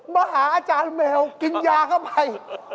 มาหาอาจารย์แมวกินยาเข้าไป